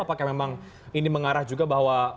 apakah memang ini mengarah juga bahwa